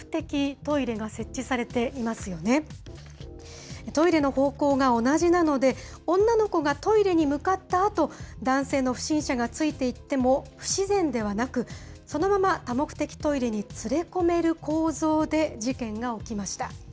トイレの方向が同じなので、女の子がトイレに向かったあと、男性の不審者がついていっても、不自然ではなく、そのまま多目的トイレに連れ込める構造で、事件が起きました。